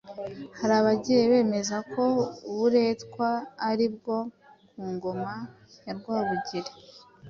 Hari abagiye bemeza ko uburetwa ari ubwo ku ngoma ya Rwabugili